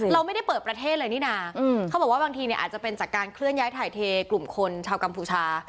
เราไม่ได้เปิดประเทศเลยนี่นะเขาบอกว่าบางทีเนี่ยอาจจะเป็นจากการเคลื่อนย้ายถ่ายเทกลุ่มคนชาวกัมพูชา